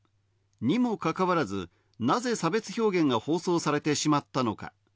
にもかかわらず、なぜ差別表現が放送されてしまったのか。